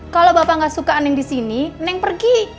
kalo bapak gak suka neng disini neng pergi